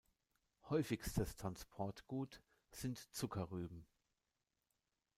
Häufigstes Transportgut sind Zuckerrüben.